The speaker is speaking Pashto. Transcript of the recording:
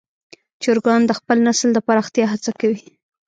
چرګان د خپل نسل د پراختیا هڅه کوي.